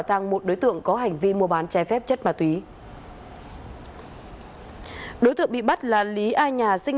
thang một đối tượng có hành vi mua bán chai phép chất ma túy đối tượng bị bắt là lý ai nhà sinh